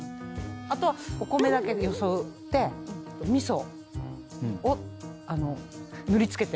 あとはお米だけよそって味噌をあの塗り付けて。